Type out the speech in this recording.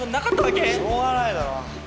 しょうがないだろ。